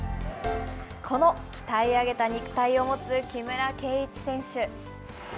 この鍛え上げた肉体を持つ木村敬一選手。